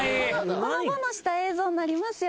ほのぼのした映像になりますよ